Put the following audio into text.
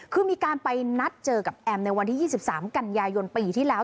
คือมีการไปนัดเจอกับแอมในวันที่๒๓กันยายนปีที่แล้ว